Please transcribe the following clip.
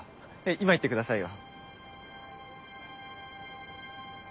今言ってくださいよ。